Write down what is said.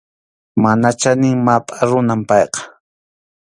Mana chanin mapʼa runam payqa.